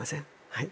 はい。